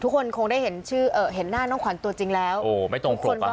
ทุกคนคงได้เห็นชื่อเอ่อเห็นหน้าน้องขวัญตัวจริงแล้วโอ้ไม่ตรงปรุกอะฮะ